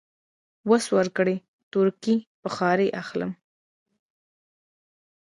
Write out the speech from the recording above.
وس ورکړ، تورکي بخارۍ اخلم.